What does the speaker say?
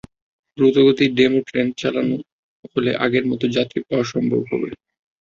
দ্রুতগতির DEMU train চালানো হলে আগের মতো যাত্রী পাওয়া সম্ভব হবে।